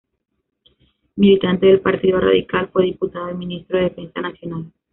Militante del Partido Radical, fue diputado y ministro de Defensa Nacional.